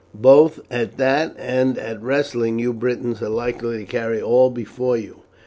Both at that and at wrestling you Britons are likely to carry all before you.